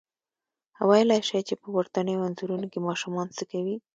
ویلای شئ چې په پورتنیو انځورونو کې ماشومان څه کوي؟